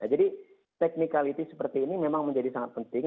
nah jadi technicality seperti ini memang menjadi sangat penting